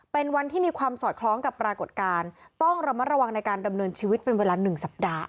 เป็นวันที่มีความสอดคล้องกับปรากฏการณ์ต้องระมัดระวังในการดำเนินชีวิตเป็นเวลา๑สัปดาห์